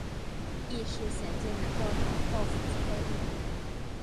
亦是咸镜南道的道府所在地。